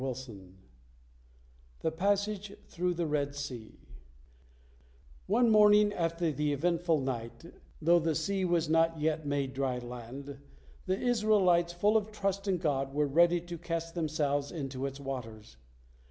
THE PASSAGE THROUGH THE RED SEA On the morning after the eventful night, though the sea was not yet made dry land, the Israelites, full of trust in God, were ready to cast themselves into its waters.